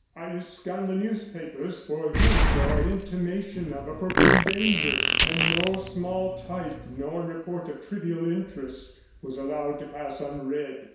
I scanned the newspapers for hint or intimation of approaching danger, and no small type nor report of trivial interest was allowed to pass unread.